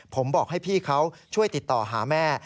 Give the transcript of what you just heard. ผมบอกให้พี่เขาช่วยติดต่อหาแม่